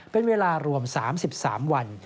เป็นเวลารวม๓๓วัน